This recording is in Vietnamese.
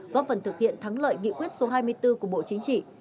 góp phần thực hiện thắng lợi nghị quyết số hai mươi bốn của bộ chính trị